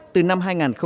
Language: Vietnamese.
từ năm hai nghìn hai